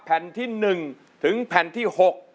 แผ่นที่๑๖